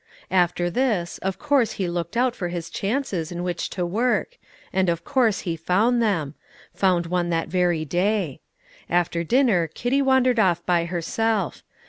After this, of course he looked out for his chances in which to work, and of course he found them, found one that very day. After dinner Kitty wandered off by herself.